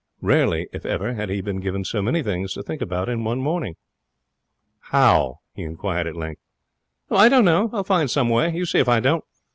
Rarely, if ever, had he been given so many things to think about in one morning. 'How?' he inquired, at length. 'I don't know. I'll find some way. You see if I don't.